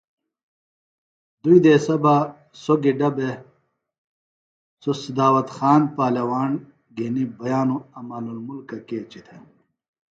دوئی دیسہ بہ سوۡ گِڈہ بےۡ سو سِداوت خان پالواݨ گِھنیۡ بائنوۡ امان المُلکہ کیچیۡ تھےۡ